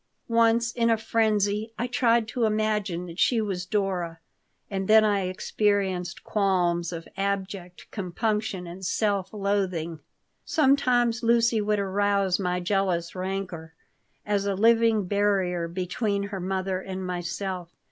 Once, in a frenzy, I tried to imagine that she was Dora, and then I experienced qualms of abject compunction and self loathing Sometimes Lucy would arouse my jealous rancor, as a living barrier between her mother and myself.